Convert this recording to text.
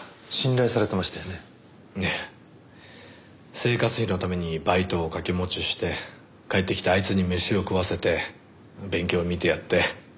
生活費のためにバイトを掛け持ちして帰ってきてあいつに飯を食わせて勉強を見てやって。